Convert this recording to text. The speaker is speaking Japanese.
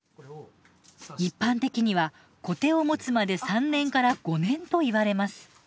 一般的にはコテを持つまで３年から５年といわれます。